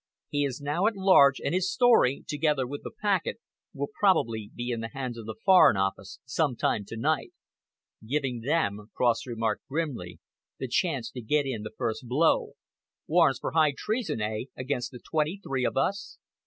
He is now at large, and his story, together with the packet, will probably be in the hands of the Foreign Office some time to night." "Giving them," Cross remarked grimly, "the chance to get in the first blow warrants for high treason, eh, against the twenty three of us?"